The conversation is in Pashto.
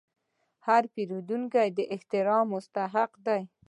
هر پیرودونکی د احترام مستحق دی.